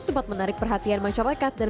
sempat menarik perhatian masyarakat dan